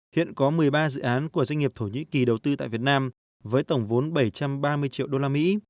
hiện có một mươi ba dự án của doanh nghiệp thổ nhĩ kỳ đầu tư tại việt nam với tổng vốn bảy trăm ba mươi triệu đô la mỹ